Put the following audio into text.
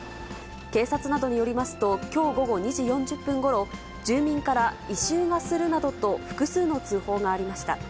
警察などによりますと、きょう午後２時４０分ごろ、住民から異臭がするなどと、複数の通報がありました。